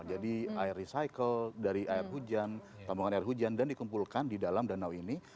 jadi air recycle dari air hujan tambahan air hujan dan dikumpulkan di dalam danau ini